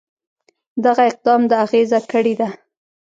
دغه اقدام د اغېزه کړې ده.